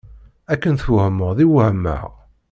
Akken twehmeḍ i wehmeɣ.